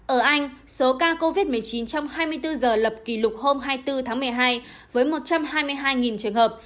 ở anh số ca covid một mươi chín trong hai mươi bốn giờ lập kỷ lục hôm hai mươi bốn tháng một mươi hai với một trăm hai mươi hai trường hợp